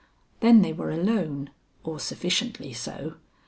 Then they were alone, or sufficiently so.